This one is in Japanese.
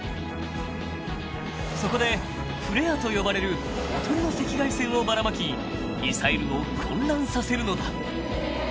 ［そこでフレアと呼ばれるおとりの赤外線をばらまきミサイルを混乱させるのだ］